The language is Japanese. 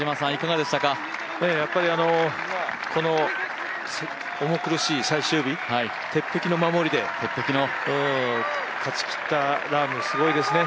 やっぱりこの重苦しい最終日、鉄壁の守りで勝ちきったラームすごいですね。